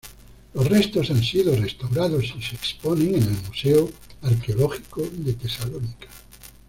Los restos han sido restaurados y se exponen en el Museo Arqueológico de Tesalónica.